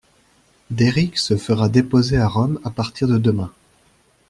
Derrick se fera déposer à Rome à partir de demain.